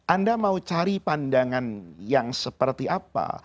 anda mau cari pandangan yang seperti apa